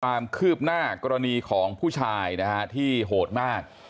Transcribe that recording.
ความคืบหน้ากรณีของผู้ชายนะฮะที่โหดมาก